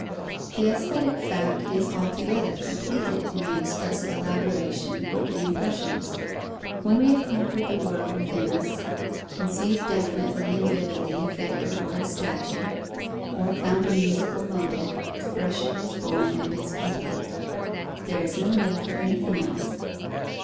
The aesthetic fact is altogether completed in the expressive elaboration of the impressions. When we have conquered the word within us, conceived definitely and vividly a figure or a statue, or found a musical motive, expression is born and is complete; there is no need for anything else.